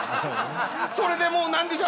それでもう何でしょう？